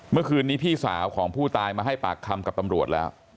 เมื่อคืนนี้พี่สาวของผู้ตายมาให้ปากคำกับตำรวจแล้ว